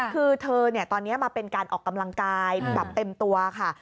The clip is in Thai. คือเธอตอนนี้มาเป็นการออกกำลังกายแบบเต็มตัวค่ะ